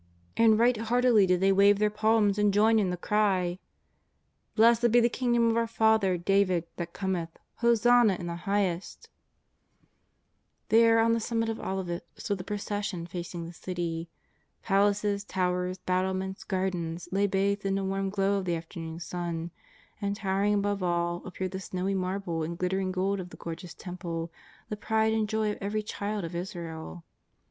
And right 310 JESUS OF NAZARETH. heartily did they wave their pahns and join in the cry: ^' Blessed be the Kingdom of our father David that cometh, Hosanna in the highest !" There, on the summit of Olivet, stood the procession facing the City. Palaces, towers, battlements, gardens, lay bathed in the warm glow of the afternoon sun ; and, towering above all, appeared the snowy marble and glittering gold of the gorgeous Temple, the pride and the joy of every child of Israel.